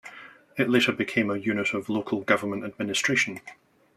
It later became a unit of local government administration.